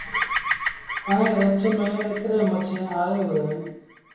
ائيٚݩٚ رڇ ميݩ ايتريݩ مڇيٚنٚ آئي وهُڙينٚ